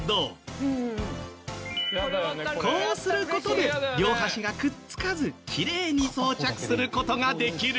こうする事で両端がくっつかずきれいに装着する事ができる！